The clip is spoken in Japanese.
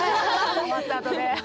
終わったあとで。